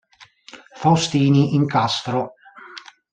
Faustini in castro".